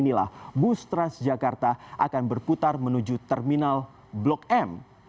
inilah bus transjakarta akan berputar menuju terminal blok m